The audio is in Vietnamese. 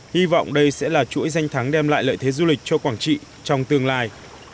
hy vọng đây sẽ là chuỗi danh thắng đem lại lợi thế du lịch cho quảng trị trong tương lai